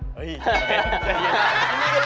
พี่บอล